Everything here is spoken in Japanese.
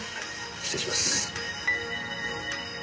失礼します。